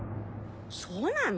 そうなの？